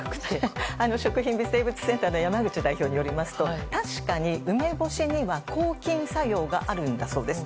食品微生物センターの代表の山口さんによりますと確かに梅干しには抗菌作用があるんだそうです。